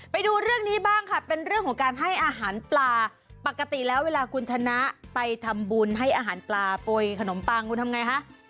ไปดูเรื่องนี้บ้างค่ะเป็นเรื่องของการให้อาหารปลาปกติแล้วเวลาคุณชนะไปทำบุญให้อาหารปลาโปรยขนมปังคุณทำไงคะ